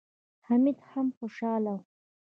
حميد هم خوشاله و.